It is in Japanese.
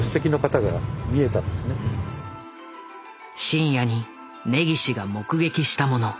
深夜に根岸が目撃したもの。